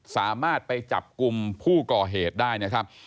สามารถไปจับกลุ่มผู้ก่อเหตุได้นะครับ